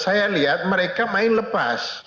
saya lihat mereka main lepas